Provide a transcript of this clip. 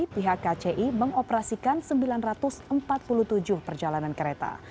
pihak kci mengoperasikan sembilan ratus empat puluh tujuh perjalanan kereta